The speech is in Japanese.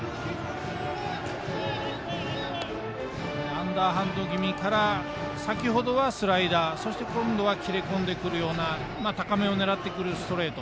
アンダーハンド気味から先ほどはスライダー、そして今度は切れ込んでくるような高めを狙ってくるストレート。